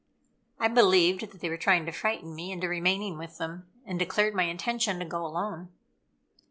I believed that they were trying to frighten me into remaining with them, and declared my intention to go alone.